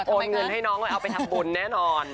โอนเงินให้น้องเลยเอาไปทำบุญแน่นอน